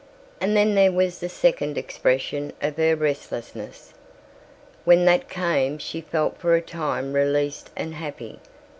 And then there was the second expression of her restlessness. When that came she felt for a time released and happy.